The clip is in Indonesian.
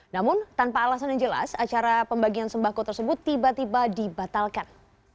namun tanpa alasan yang jelas acara pembagian sembako tersebut tiba tiba dibatalkan